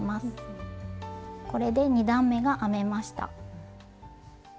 これで２段めが編めました。